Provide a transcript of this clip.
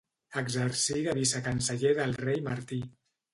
Exercí de vicecanceller del rei Martí.